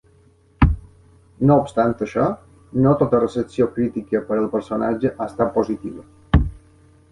No obstant això, no tota recepció crítica per al personatge ha estat positiva.